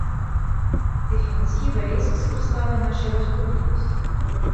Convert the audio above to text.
Дэфензіва ледзь не скарыстала нашай разгубленасці.